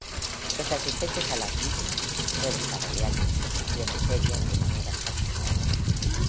Los asistentes a las mismas suelen parodiar manifestaciones serias de manera satírica.